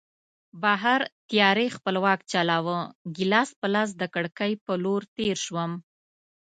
بهر تیارې خپل واک چلاوه، ګیلاس په لاس د کړکۍ په لور تېر شوم.